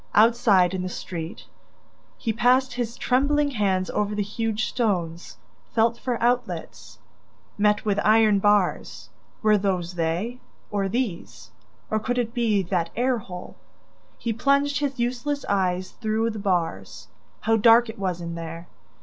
Outside, in the street, he passed his trembling hands over the huge stones, felt for outlets ... met with iron bars ... were those they? ... Or these? ... Or could it be that air hole? ... He plunged his useless eyes through the bars ... How dark it was in there!